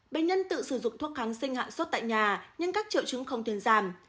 bệnh nhân tự sử dụng thuốc kháng sinh hạng sốt tại nhà nhưng các triệu chứng không tuyên giảm